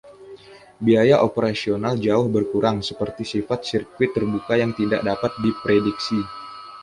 Biaya operasional jauh berkurang, seperti sifat sirkuit terbuka yang tidak dapat diprediksi.